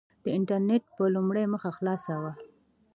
د انټرنېټ په لومړۍ مخ خلاصه وه.